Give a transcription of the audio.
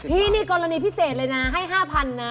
พี่นี่กรณีพิเศษเลยนะให้๕๐๐๐นะ